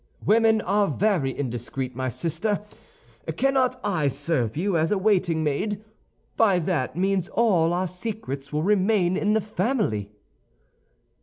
"Women are very indiscreet, my sister. Cannot I serve you as a waiting maid? By that means all our secrets will remain in the family."